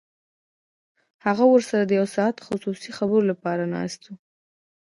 هغه ورسره د یو ساعته خصوصي خبرو لپاره ناست و